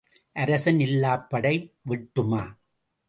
அரசன் இல்லாப் படை வெட்டுமா?